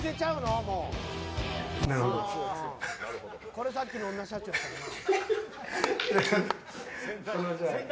これさっきの女社長やったらな。